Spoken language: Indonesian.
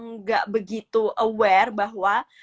nggak begitu aware bahwa